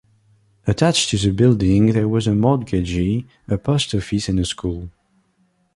Attached to the building there was a mortgagee, a post office and a school.